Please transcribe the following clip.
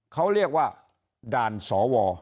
เขาเรียกว่าด่านสว